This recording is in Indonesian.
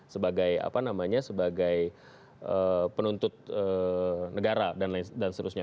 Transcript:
sebagai apa namanya sebagai penuntut negara dan lain sebagainya